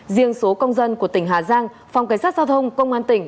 riêng số công dân của tỉnh hà giang phòng cảnh sát giao thông công an tỉnh